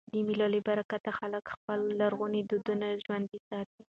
د مېلو له برکته خلک خپل لرغوني دودونه ژوندي ساتي.